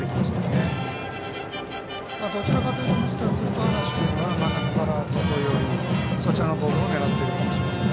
どちらかというと端無君は真ん中から外寄りのボールを狙っているかもしれません。